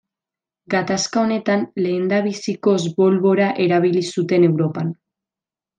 Gatazka honetan lehendabizikoz bolbora erabili zuten Europan.